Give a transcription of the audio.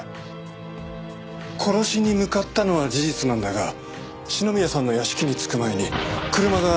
殺しに向かったのは事実なんだが篠宮さんの屋敷に着く前に車が故障したようだ。